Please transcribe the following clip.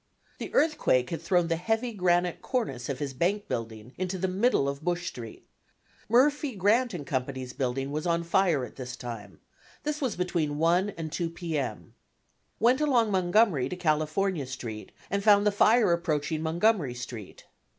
The earthquake had thrown the heavy granite cornice of his bank building into the middle of Bush Street. Murphy, Grant & Co.'s building was on fire at this time; this was between 1 and 2 P. M.. Went along Montgomery to California Street, and found the fire approaching Montgomery Street.